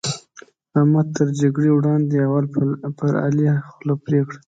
احمد تر جګړې وړاندې؛ اول پر علي باندې خوله پرې کړه.